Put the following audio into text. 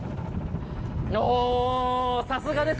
おー、さすがです。